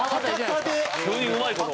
急にうまい事を。